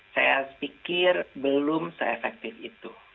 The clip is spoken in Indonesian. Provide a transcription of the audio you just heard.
saya pikir belum se efektif itu